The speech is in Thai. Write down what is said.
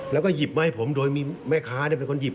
แล้วก็หยิบมาให้ผมโดยมีแม่ค้าเป็นคนหยิบ